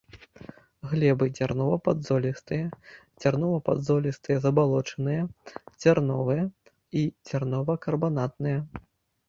Глебы дзярнова-падзолістыя, дзярнова-падзолістыя забалочаныя, дзярновыя і дзярнова-карбанатныя.